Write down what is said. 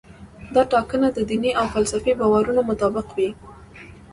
دا ټاکنه د دیني او فلسفي باورونو مطابق وي.